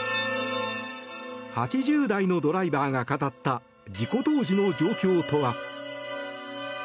８０代のドライバーが語った事故当時の状況とは。